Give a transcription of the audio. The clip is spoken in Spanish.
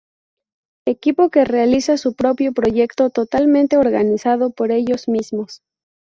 Equipo que realiza su propio proyecto totalmente organizado por ellos mismos.